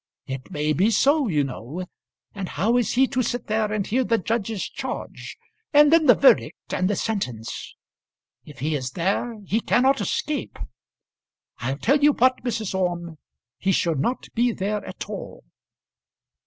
It may be so, you know. And how is he to sit there and hear the judge's charge; and then the verdict, and the sentence. If he is there he cannot escape. I'll tell you what, Mrs. Orme; he should not be there at all."